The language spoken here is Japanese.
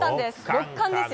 ６冠ですよ。